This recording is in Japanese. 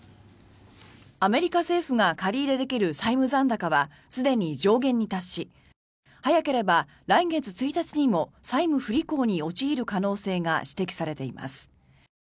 アメリカ政府が借り入れできる債務残高はすでに上限に達し早ければ来月１日にも債務不履行に陥る可能性が指摘されています。